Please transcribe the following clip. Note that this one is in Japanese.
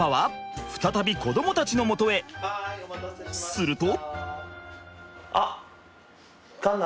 すると。